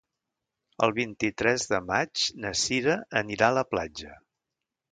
El vint-i-tres de maig na Sira anirà a la platja.